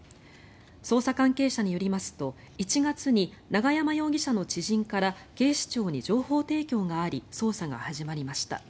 捜査関係者によりますと１月に永山容疑者の知人から警視庁に情報提供があり捜査が始まりました。